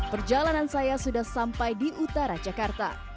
perjalanan saya sudah sampai di utara jakarta